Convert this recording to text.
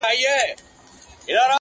زه کرمه سره ګلاب ازغي هم را زرغونه سي,